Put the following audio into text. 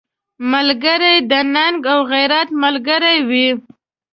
ملګری د ننګ او غیرت ملګری وي